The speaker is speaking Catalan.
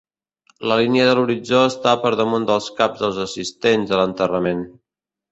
La línia de l'horitzó està per damunt dels caps dels assistents a l'enterrament.